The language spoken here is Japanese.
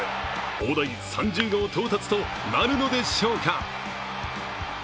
大台３０号到達となるのでしょうか。